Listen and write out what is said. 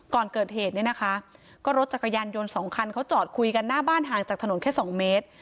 ก่อนเกิดเหตุเนี่ยนะคะก็รถจักรยานยนต์สองคันเขาจอดคุยกันหน้าบ้านห่างจากถนนแค่สองเมตร